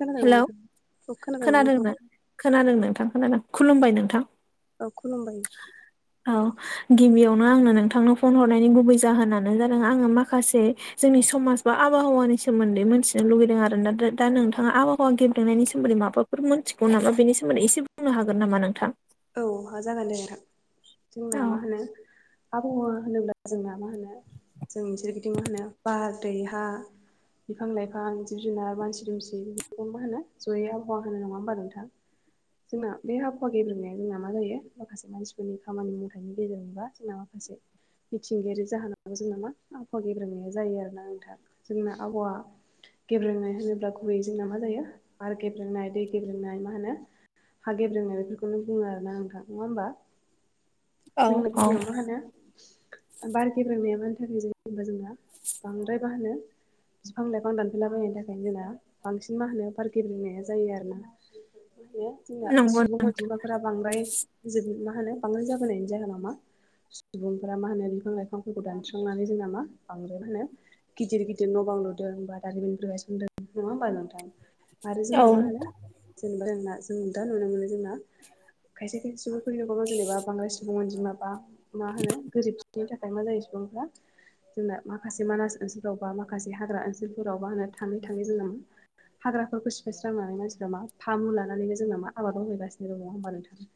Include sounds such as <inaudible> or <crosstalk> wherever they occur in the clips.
खोनादोंना हेलौ नोंथां खोनादोंना खोनादोंनो नोंथाङा खोनादों नोंथां खोनादों खुलुमबाय नोंथां औ खुलुमबाय <inaudible> औ गिबियावनो आंनो नोंथांनाव फन हरनायनि गुबै जाहोनानो जादों आङो माखासे जोंनि समाज बा आबहावानि सोमोन्दै मोनथिनो लुगैदों आरोना दा नोंथा नोंथाङा आबहावा गेब्रेंनायनि सोमोन्दै माफोर मोनन्थिगौ नामा बेनि सोमोन्दै एसे बुंनो हागोन नामा नोंथां। औ जागोन दे आरो जोंना औ मा होनो। आबहावा होनोब्ला जोंना मा होनो जोंनि सोरगिदिं मा होनो बार दै हा। बिफां लाइफां जिब जुनार मानसि दुमसि बेखौ मा होनो जयै आबहावा होनो नङा होनबा नोंथां जोंना बे आबहावा गेब्रेंनाया जोंना मा जायो माखासे मानसिफोरनि खामानि मावथनि गेजेरजोंबा जोंना माखासे। मिथिंगायारि जाहोनाव जोंना मा आबहावा गेब्रेनाया जायो आरोना नोंथां जोंना आबहावा गेब्रेंनाय होनोब्ला गुबै जोंना मा जायो आर गेब्रेंनाय दै गेब्रेंनाय मा होनो। हा गेब्रेंनाय बेफोरखौनो बुङो आरोना नोंथां नङा होमबा औ जोंना औ गयाव मा होनो बार गेब्रेंनाया मानि थाखाय जायोबा जोंना बांद्राय मा होनो बिफां लाइफां दानफायला बायनायनि थाखायनो जोंना बांसिन मा होनो बार गेब्रेंनाया जायो आरोना जोंहा नंगौ सुबुं अनजिमा फोर बांद्राय मा होनो बांद्राय जाबोनायनि जाहोना मा सुबुंफोरा मा होनो बिफां लाइफांफोरखौ दानस्रांनानै जोंना मा बांद्राय मा होनो। गिदिर गिदिर न' बां लुदों दारिमिनफोर गायसनदों नङा होमबा नोंथां आरो औ जोंना मा होनो जेनेबा जोंना जों दा नुनो मोनो जोंना खायसे खायसे सुबुंफोरनि नगाबाव जेनेबा बांद्राय सुबुं अनजिमाबा मा होनो गोरिब बिनि थाखाय मा जायो सुबुंफ्रा जोंना माखासे मानास ओनसोलफ्राव बा माखासे हाग्रा ओनसोलफोराव मा होनो थाङै थाङै जोंना। हाग्राफोरखौ सिफायस्रांनानै मानसिफ्रा मा फामु लानानैनो जोंना मा आबादाव हैगासिनो रावहा मानो थाङो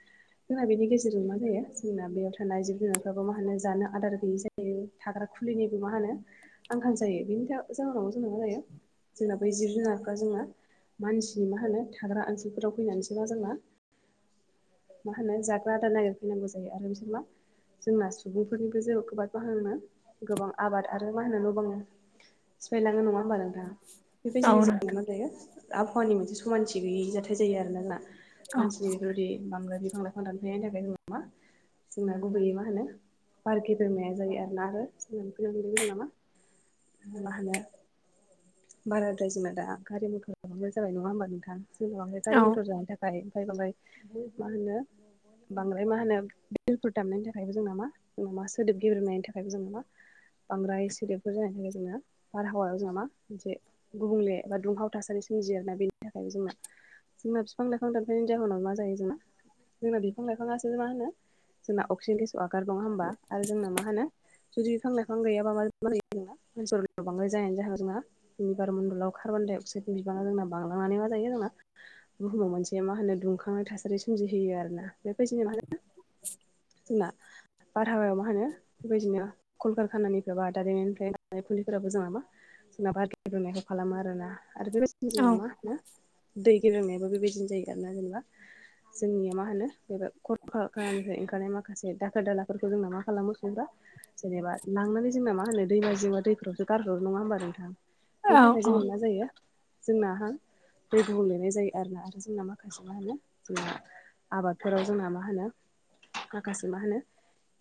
जोंना बेनि गेजेरजों मा जायो जोंना बेयाव थानाय जिब जुनारफ्राबो मा होनो जानो आदार गैयि जायो। थाग्रा खुलिनिबो मा होनो आंखाल जायो बिनि थाखाय जाहनाव जोंनाव मा जायो? जोंना बै जिब जुनारफ्रा जोङो मानसिनि मा होनो थाग्रा ओनसोलफोराव फैनानैसो मा जोंना मा होनो जाग्रा आदार नागिरफैनांगौ जायो आरो बिसोर मा? जोंना सुबुंफोरनिबो जे खबाद बाहोनो गोबां आबाद आरो मा होनो न'बां सिफायलाङ नङा होमबा नोंथां? औ बेबायदिनो नोंथां जों मा जायो आबहावानि मोनसे समानथि गैयै जाथाय जायो आरो ना। औ मानसिनि बेफोरबायदि बांला बि बांलााय फां फैनायनि थाखाय दङ नामा? जोंना गुबैयै मा होनो पारकि बमाया जायो आरोना आरो जोंना फैनो मोनैबो जों नामा? मा होनो? बाराद्राय जोमा दा गारि मटर लाबनाय जाबाय नङा होमबा नोंथां? जेनाय औ गारि मथर जानो थाखाय ओमफ्राय माबाय मा होनो? बांद्राय मा होनो बिलफोर दामनायनि थाखायबो जों नामा जों मा सोदोब गेब्रेनायनि थाखायबो जों नामा? बांद्राय सोदेरोबफोर जानायनि थाखाय जोंङो बारहावायाव जोंना मा मोनसे गुबुंले एबा दुंहाव थासारि सोमजियो आरोोना बेनि थाखाय जोंना जोंना बिफां लाइफां द बेनि जाहोनाव मा जायो जोंना जोंना बिफां लाइफाङासो मा होनो? जोंना अक्सिजेन गेसखौ आगारो नङा होमबा आरो जोंना मा होनो? जुदि बिफां लाइफां गैयाबा मा मायो जों मानसिफोर' बांद्राय जानायनि जोंहानाव जोंहा दैनिबार मण्डलाव कार्बन डाइ अक्साइडनि बिबाङा जोंना बांलांनानै मा जायो जोंना बुहुमाव मोनसे मा होनो दुंखांनाय थासारि सोमजिहोयो आरोना बेबायदिनो मा होनो जोंना बारहावायाव मा होनो बेबायदिनो कलकारखानानिफ्राय बा दारिमनिफ्राय गबोनाय उखुन्दै फोराबो जोंना मा? जोंना बाद रुनायखौ खालामो आरोना आरो बे जों औ नामा दै गेब्रेंनायाबो बेबायदिनो जायो। जेनेबा जोंनिया मा होनो बे ख खानिफ्राय ओंखारनाय माखा माखासे दाखोर दालाफोरखौ जोंना मा खालामो संबा जेनेबा लांनानै जोंना मा होनो दैमा जमा दैफोरावसो गारग्रो नङा होनोमबा नोंथां? औ बेनि थाखाय जोङो मा जायो जोंनाहा दै गुबुंलेया जायो आरोना आरो जोंना मा? जोंना आबादफोराव जोंना मा होनो माखासे मा होनो?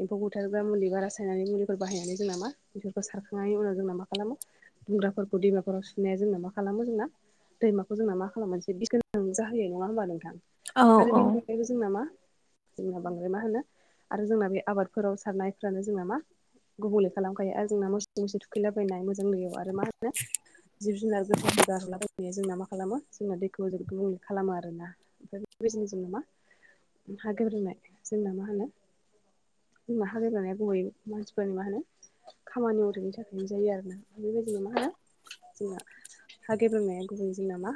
एम्फौ बुथारग्रा मुलिबा रासायनारि मुलिफोर बाहायनानै जोंना मा बेफोरखौ सारखांनायनि उनाव जोंना मा खालामो? दुंग्राफोरखौ दैमाफोराव सुनाया जोंना मा खालामो जोंना दैमाखौ जोंना मा खालामो मोनसे बिसगोनां जाहोयोना नङाहमबा नोंथां औ आरो बेनि अनगायैबो जोंना मा? जोंना बांद्राय मा होनो आरो जोंना बे आबादफोराव सारनायफ्रानो जोंना मा? गुबुंले खालामखायो आरो जोंना मोसौ मुसा थुखैलाबायनाय मोजां दैयाव आरो मा होनो? जिब जुनार गोथैखौ गारहलाबायनाया जोंना मा खालामो जोंना दैखौ गुबुंले खालामो आरो। आरोना ओमफ्राय बेबायदिनो जोंना मा हागेब्रेंनाय जोंना मा होनो? जोंना हा गेब्रेंनाय बुङो मानसिफोरनिया मा होनो? खामानि मावदोनि थाखायनो जायो आरोना बेबायदिनो मा होनो जोंना हा गेब्रेंनाया गुबै जोंना मा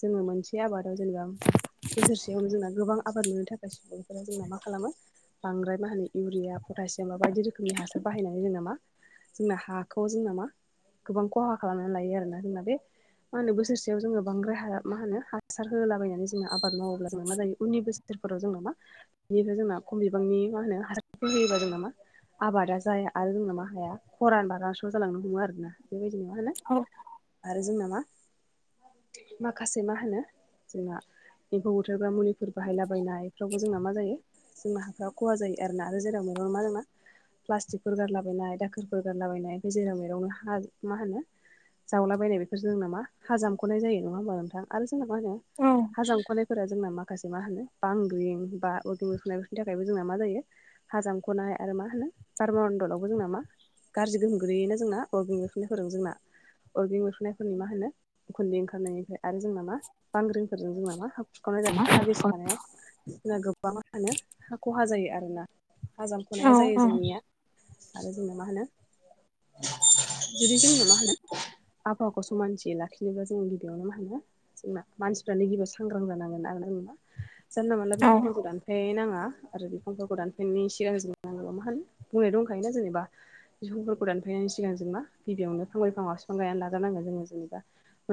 जोङो मोनसे आबादाव जेनेबा बोसोरसेयावनो जोंना गोबां आबाद मोननो थाखाय सुबुंफोरा जोंना मा खालामो? बांद्राय मा होनो इउरिया पटासियाम बा बायदि रोखोमनि हासार बाहायनानै जोंना मा? जोंना हाखौ जोंना मा गोबां खहा खालामनानै लायो आरोना जोंना बे मा होनो बोसोरसेयाव जोङो बांद्राय हा मा होनो हासार होलाबायनानै जोंङो जोंङो आबाद मावोब्ला जोंना मा जायो उननि बोसोरफोराव जोंना मा? बेनिफ्राय जोंना खम बिबांनि मा होनो हासारफोर होयोबा जोंना मा? आबादा जाया आरो जोंना मा हाया खरान बा रानास्राव जालांनो हमो आरोना बेबायदिनो मा होनो? औ आरो जोंना मा माखासे मा होनो जोंना एम्फौ बुथारग्रा मुलिफोर बाहायलाबायनायफ्रावबो जोंना मा जायो? जोंना हाफ्रा खहा जायो आरोना आरो जेराव मैरावनो मा प्लास्टिकफोर गारलाबायनाय दाखोरफोर गारलाबायनाय बे जेराव मेरावनो हा मा होनो जावलाबायनाय बेखौ जों नामा हाजामख'नाय जायो नङा होमबा नोंथां आरो जोंना मा होनो औ हा जामखनायफोरा जोंना माखासे मा होनो बांग्रिं बा अरगें बेरफ्रुनायफोरनि थाखायबो जोंना मा जायो हाजामख'नाय आरो मा होनो बार मणडलावबो जोंना मा गाज्रि गोहोम गोैलैयोना जोंना अ बेंफोरनो होदों जोंना अरगें बेरफ्रुनायफोरनि मा होनो खुन्दै ओंखारनायनिफ्राय आरो जोंना मा बांग्रिं जोंना मा हा खुरखावनाय जादों हागिसिखानायाव जोंना गोबां मा होनो हा खहा जायो आरो ना हा औ जामख'नाया जायो जोंनिया आरो जोंनो मा होनो <inaudible> जुदि जोंनो मा होनो आबहावाखौ समानथियै लाखिनोबब्ला जों गिबियावनो मा होनो जेनबा मानसि गिबियाव सांग्रां जानांगोन आरो न ना जानला मानला बिफांफोरखौ दानफाय नाङा आरो फांखाखौ दानफेननायनि सिगां ज नांगोबा मा होनो बुंनाय दंखायोना जेनेबा समफोरखौ दानफैनायनि सिगां जों मा गिबियावनो फांब्र फां बिफां गायनानै लाजानांगोन जोङो जेनेबा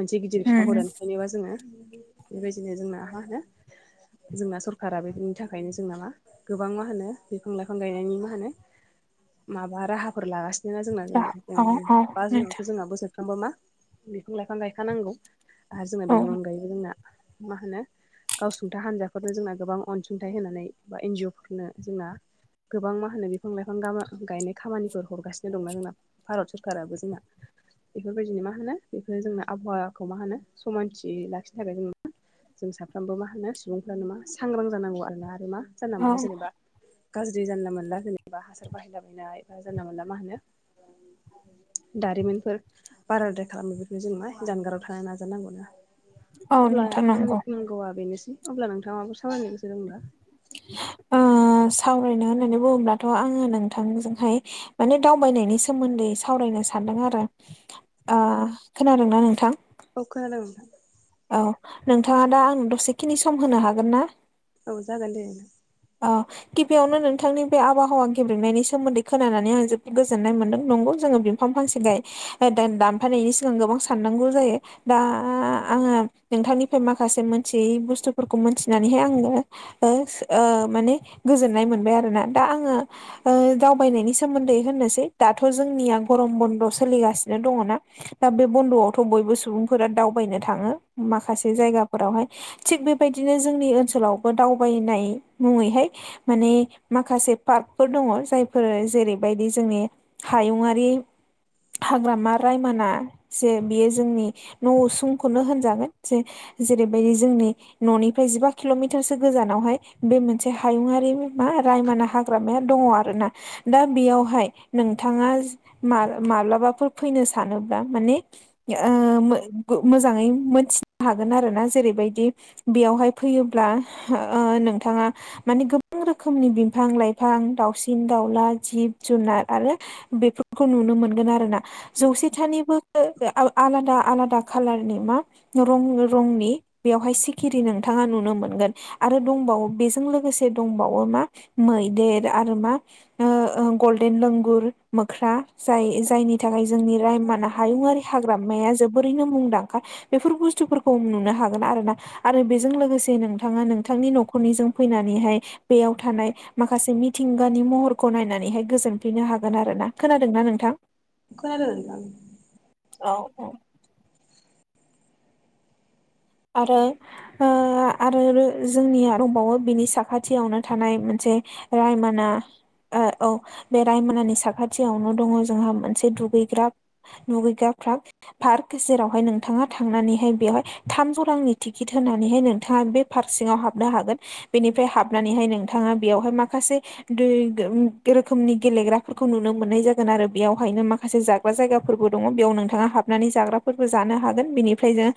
मोनसे गिदिर बिफांखौ दानफायनोबा जोङो बेबायदिनो जोंना मा होनो जोंना सरखारा बेनि थाखायनो जोंना मा गोबां मा होनो बिफां लाइफां गायनायनि मा होनो माबा राहाफोर लागासिनो बिदिनो औ जोंना औ बा नोंथां जुनावथ' जोंना बोसोरफ्रामबो मा बिफां लाइफां गायखानांगौ। आरो जोंना बेनि औ अनगायैबो जोंना मा होनो गावसुंथा हानजाफोरनो जोंना गोबां अनसुंथाइ होनानै बा एनजिअ फोरनो जोंना गोबां मा होनो बिफां लाइफां गायनाय खामानिफोर हरगासिनो दंना जोंना भारत सरकाराबो जोंना बेफोरबायदिनो मा होनो बेफोर जोंनो आबहावाखौ मा होनो समानथि लाखिनो थाखाय जों जों साफ्रोमबो मा होनो सुबुंफ्रानो मा सांग्रां जानांगौ आरोना आरो मा जानला औ मोनला जेनेबा गाज्रि जानला मोनला जेनेबा हासार बाहायलाबायनाय बा जानला मोनला मा होनो दारिमिनफोर बाराद्राय खालामो बेफोरनो जों मा जानगाराव थानो नाजानांगौना औ अब्ला नोंथां आंनि नंगौ बुंनांगौआ बेनोसै अब्ला नोंथाङाबो सामायनो गोसो दंबा सावरायनो होननानै बुङोब्लाथ' आङो नोंथांजोंहाय माने दावबायनायनि सोमोन्दै सावरायनो सानदों आरो आ खोनादोंना नोंथां। औ खोनादों नोंथां। औ नोंथाङा दा आं दसेखिनि सम होनो हागोन ना औ जागोन दे औ गिबियावनो नोंथांनि बे आबहावा गेब्रेंनायनि सोमोन्दै खोनानानै आं जोबोद गोजोननाय मोनदों नंगौ जोङो दफां फांसेगाय दानफानायनायनि सिगां गोबां साननांगौ जायो। दा आङो नोंथांनिफ्राय माखासे मोनथियै बुस्थुफोरखौ मोनथिनानैहाय आङो माने गोजोननाय मोनबाय आरोना दा आङो दावबायनायनि सोमोन्दै होननोसै दाथ' जोंनिया गरम बन्द' सोलिगासिनो दङना दा बे बन्द'आवथ' बयबो सुबुंफोरा दावबायनो थाङो माखासे जायगाफोरावहाय थिग बेबायदिनो जोंनि ओनसोलावबो दावबायनाय मुङैहाय माने माखासे पार्कफोर दङ जायफोर जेरैबायदि जोंनि हायुंआरि हाग्रामा रायमना जे बियो जोंनि न' असुंखौनो होनजागोन जेरैबायदि जोंनि न'निफ्राय जिबा किल'मिटारसो गोजानावहाय बे मोनसे हायुङारि मा रायमना हाग्रामाया दङ आरोना। दा बेयावहाय नोंथाङा माब्लाबाफोर फैनो सानोब्ला माने मोजाङै मोनथि हागोन आरोना जेरैबायदि बेयावहाय फैयोब्ला नोंथाङा माने गोबां रोखोमनि बिफां लाइफां दाउसिन दाउला जिब जुनार आरो बेफोरखौ नुनो मोनगोन आरो ना। जौसेथानिबो आलादा आलादा खाालारनि मा? रं रंनि बेवहाय सिखिरि नोंथाङा नुनो मोनगोन आरो दंबावो बेजों लोगोसे दंबावो मा मैदेर आरो मा? ओ ओ गल्डेन लोंगुर मोख्रा जाय जायनि थाखाय जोंनि रायमान हायुंङरि हाग्रामाया जोबोरैनो मुंदांखा। बेफोर बुस्थुफोरखौ नुनो हागोन आरो ना आरो बेजों लोगोसे नोंथाङा नोंथांनि न'खरनि जों फैनानैहाय बेयाव थानाय माखासे मिथिंगानि महरखौ नायनानैहाय गोजोनफैनो हागोन आरो ना। खोनादोंना नोंथां? खोनादों नोंथां? औ औ आरो आरो जोंनिया दंबावो बिनि साखाथियावनो थानाय मोनसे रायमाना औ बे रायमनानि साखाथियावनो दङ जोंहा मोनसे दुगैग्रा। दुगैग्रारा पार्क जेरावहाय नोंथाङा थांनानैहाय बेवहाय थामजौ रांनि टिकेट होनानैहाय नोंथाङा बे पार्क सिङाव हाबनो हागोन। बेनिफ्राय हाबनानैहाय नोंथाङा बेयावहाय माखासे रोखोमनि गेलेग्राफोरखौ नुनो मोननाय जागोन आरो बेयावहायनो माखासे जायगाफोरबो दङ बेयाव नोंथाङा हाबनानै जाग्राफोरबो जानो हागोन बेनिफ्रायनो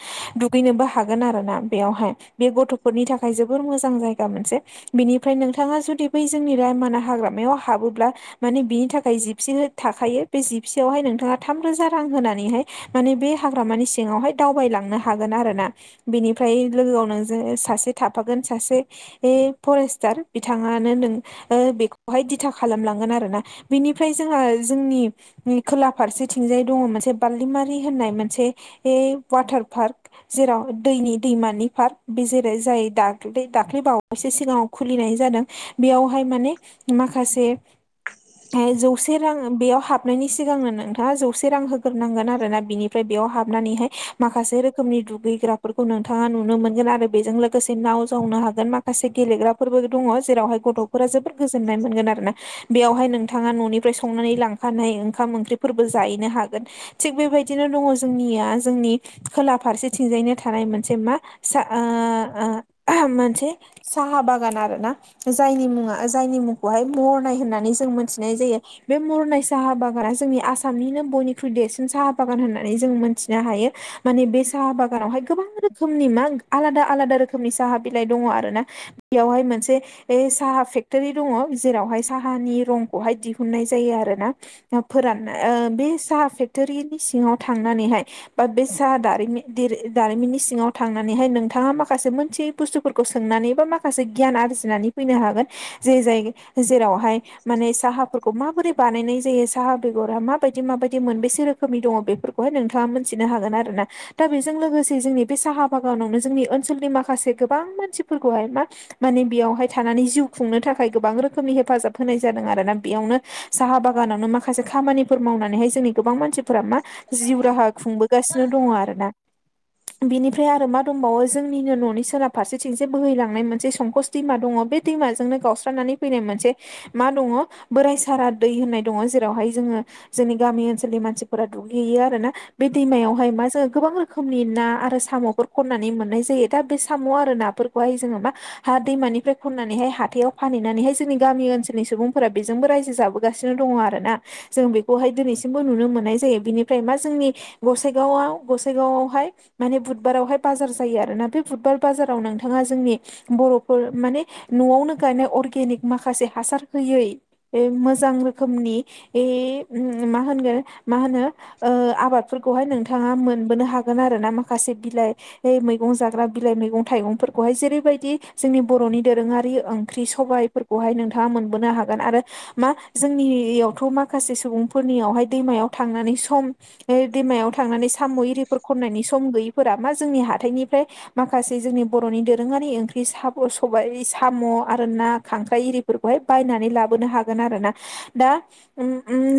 दुगैनोबो हागोन आरो ना बेयावहाय बे गथ'फोरनि थाखाय जोबोर मोजां जायगा मोनसे। बिनिफ्राय नोंथाङा जुदि बै जोंनि रायमान हाग्रामायाव हाबोब्ला माने बिनि थाखाय जिपसि थाखायो बे जिपसियावहाय नोंथाङा थाम रोजा रां होनानैहाय माने बे हाग्रामानि सिङावहाय दावबायलांनो हागोन आरोना बिनिफ्राय लोगोआव नोंजों सासे थाफागोन सासे ए फरेस्टार बिथाङानो नों बेखौहाय दिथा खालामलांगोन आरोना बिनिफ्राय जोंहा जोंनि खोला फारसेथिंजाय दङ मोनसे बारलिमारि होननाय मोनसे वाटार पार्क। जेराव दैनि दैमानि पार्क बे जेरै जाय दाख्लै दाख्लै बावैसो सिगाङाव खुलिनाय जादों। बेयावहाय माने माखासे जौसे रां बेयाव हाबनायनि सिगांनो नोंथाङा जौसे रां होग नांगोन आरो बिनियाव हाबनानै माखासे हाबनानै रोखनि दुगैग्राफोरखौ नोंथाङा नुनो मोनगोन आरो बेजों लोगोसे नाव जावनो हागोन माखासे गेलेग्रा फोरबो दङ जेरावहाय गथ'फोरा जोबोद गोजोन्नाय मोनगोन आरोना बेयावहाय नों नोंथाङा न'निफ्राय संनानै लांखानाय ओंखाम ओंख्रिफोरबो जाहैनो हागोन। थिग बेबायदिनो दङ जोंनिया जोंनि खोला फारसेथिंजायनो थानाय मोनसे मा फिसा ओ ओ मोनसे साहा बागान आर ना जायनि मुङा जायनि मुंखौहाय महरनाय होननानै जों मोनथिनाय जायो। बे मुरनाय साहा बागाना जोंनि आसामनिनो बयनिख्रुइ देरसिन साहा बागान होननानै जों मोनथिनो हायो। माने बे साहा बागानावहाय गोबां रोखोमनि मा आलादा आलादा रोखोमनि साहा बिलाइ दङ आरो ना। बेयावहाय मोनसे ए साहा फेक्टरि दङ जेरावहाय साहानि रंखौहाय दिहुननाय जायो आरो ना। फोराननाय बे साहा फेक्ट'रिनि सिङाव थांनानैहाय बा बे दारिमिननि सिङाव थांनानैहाय नोंथाङा माखासे मोनसेै बुस्थुफोरखौ सोंनानै बबा माखासे माखासे गियान आरजिनानै फैनो हागोन जे जायगायाव जेरावहाय माने साहा खौ माबोरै बानायनाय जायो साहा बेगरा माबायदि माबायदि मोनबेसे रोखोमनि दङ बेफोरखौहाय नोंथाङा मोनथिनो हागोन आरो। <unintelligible> दा बेजों लोगोसे जोंनि बे साहा बागानावनो जोंनि ओनसोलनि माखासे गोबां मानसिफोरखौहाय मा माने बेयावहाय थानानै जिउ खुंनो थाखाय गोबां रोखोमनि हेफाजाब होनाय जादों आरोना बेयावनो साहा बागानावनो माखासे खामानिफोर मावनानैहाय जोंनि गोबां मानसिफोरा मा जिउ राहा खुंबोगासिनो दङ आरो ना बिनिफ्राय आरो मा दंबावो जोंनिनो न'नि सोनाब फारसेथिंसे बोहैलांनाय मोनसे संखस दैमा दङ बे दैमाजोंनो गावस्रानानै फैनाय मोनसे मा दङ बोराय सारा दै होननाय दङ जेरावहाय जोङो जोंनि गामि ओनसोलनि मानसिफोरा दुगैहैयो आरो ना बे दैमायाव ओमफाय मा जोङो गोबां रोखोमनि ना आरो साम'फोर खननानै मोननाय जायो दा बे साम' आरो नाफोरखौहाय जोङो मा हा दैमानिफ्राय खननानैहाय हाथायाव फानहैनानैहाय जोंनि गामि ओनसोलनि सुबुंफोरा बेजोंबो रायजो जाबो नो दोना ज दिनैसिम ननो मोननाय जनि मा जोंनि गसाइगावआव गसाइगावआवहाय माने बुधबारावहाय बाजार जायो आरोना बे बुधबार बाजाराव नोंथाङा जोंनि बर'फोर माने न'आवनो गायनाय अर्गेनिक माखासे हासार होयै बे मोजां रोखोमनि ए मा होनगोन मा होनो आबादफोरखौहाय नोंथाङा मोनबोनो हागोन हागोन आरोना माखासे बिलाइ बे मैगं जाग्रा बिलाइ मैगं थाइगंफोरखौहाय जेरैबायदि जोंनि बर'नि दोरोङारि ओंख्रि सबाय बेहाय नोंथाङा मोनबोनो हागोन आरो मा जोंनियावथ' माखासे सुबुंफोरनियावहाय दैमायाव थांनानै सम दैमायाव थांनानै साम' इरिफोर खननायनि सम गैयैफोरा मा जोंनि हााइनिफ्राय माखासे जोंनि बर'नि दोरोङारि ओंख्रि स सबाय साम' आरो ना खांख्राइ इरि फोरखौहाय बायनानै लाबोनो हागोन आरोना दा ओ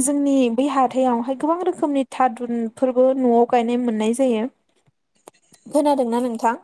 जोंनि बै हाथायावहाय गोबां रोखोमनि थादुन फोरबो न'आव गायनाय मोननाय जायो खोनादोंना नोंथां